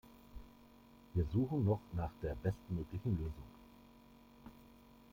Wir suchen noch nach der bestmöglichen Lösung.